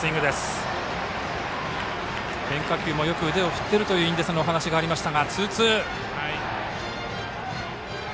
変化球もよく腕を振っているという印出さんのお話がありました。